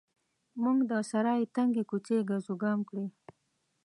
مو د سرای تنګې کوڅې ګزوګام کړې.